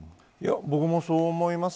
僕もそう思います。